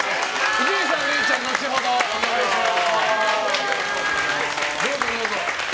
伊集院さん、れいちゃんは後ほどお願いします。